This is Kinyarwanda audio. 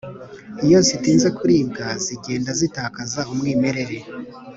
iyo zitinze kuribwa zigenda zitakaza umwimerere